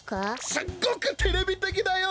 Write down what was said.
すっごくテレビてきだよ。